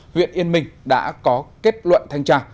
huyện yên minh đã có kết luận thanh trang